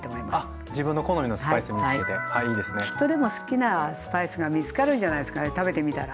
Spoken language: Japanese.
きっとでも好きなスパイスが見つかるんじゃないですかね食べてみたら。